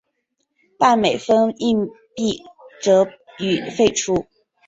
半美分硬币则予废除。